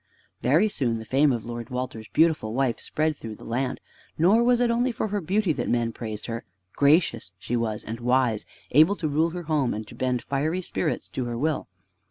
Very soon the fame of Lord Walter's beautiful wife spread through the land. Nor was it only for her beauty that men praised her. Gracious she was and wise, able to rule her home, and to bend fiery spirits to her will.